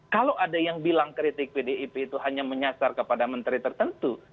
kalau ada yang bilang kritik pdip itu hanya menyasar kepada menteri tertentu